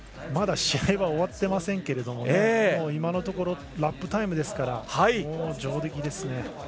まだ試合は終わってませんけれども今のところラップタイムですから上出来ですね。